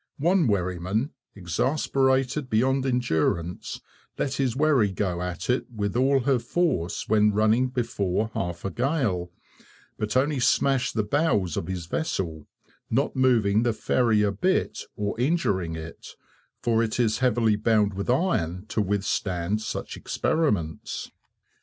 One wherryman, exasperated beyond endurance, let his wherry go at it with all her force when running before half a gale, but only smashed the bows of his vessel, not moving the ferry a bit or injuring it, for it is heavily bound with iron to withstand such experiments.